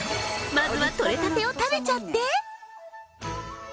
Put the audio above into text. まずは取れたてを食べちゃって！